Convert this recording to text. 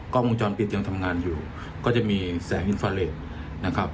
กล้องวงจรปิดยังทำงานอยู่ก็จะมีแสงอินฟาเลสนะครับ